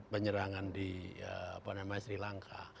penyerangan di sri lanka